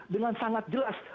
dengan sangat jelas